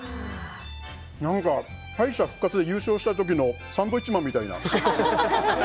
敗者復活で優勝した時のサンドウィッチマンみたいな。